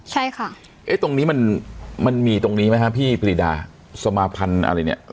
ใช่ค่ะเอ๊ะตรงนี้มันมันมีตรงนี้ไหมฮะพี่ปรีดาสมาพันธุ์อะไรเนี่ย